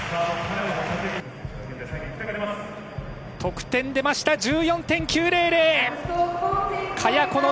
得点出ました１４．９００。